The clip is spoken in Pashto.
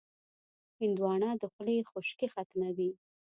هندوانه د خولې خشکي ختموي.